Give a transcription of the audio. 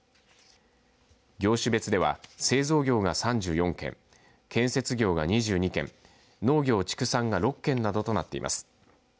業種別では、製造業が３４件建設業が２２件農業・畜産が６件などとなっています。